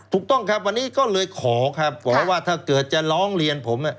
ถูกต้องครับวันนี้ก็เลยขอครับบอกว่าถ้าเกิดจะร้องเรียนผม